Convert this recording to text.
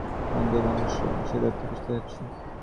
মন দিয়েই মানুষকে সকল বিষয় ধরতে বুঝতে হচ্ছে।